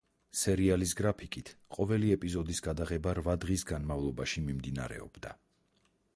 სერიალის გრაფიკით, ყოველი ეპიზოდის გადაღება რვა დღის განმავლობაში მიმდინარეობდა.